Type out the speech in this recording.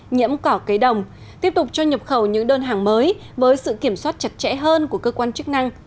nhiễm cỏ cây đồng tiếp tục cho nhập khẩu những đơn hàng mới với sự kiểm soát chặt chẽ hơn của cơ quan chức năng